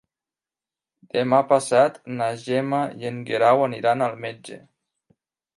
Demà passat na Gemma i en Guerau aniran al metge.